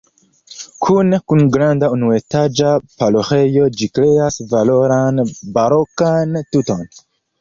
Kune kun granda unuetaĝa paroĥejo ĝi kreas valoran barokan tuton.